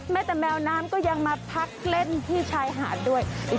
แต่แมวน้ำก็ยังมาพักเล่นที่ชายหาดด้วย